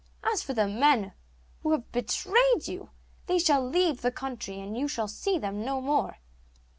As for the men who have betrayed you, they shall leave the country and you shall see them no more.